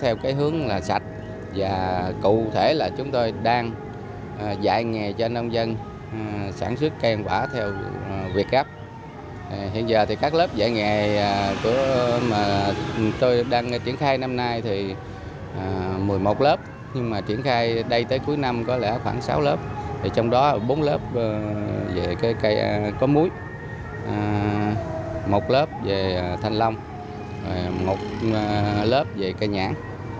khoảng sáu lớp trong đó bốn lớp về cây có muối một lớp về thanh long một lớp về cây nhãn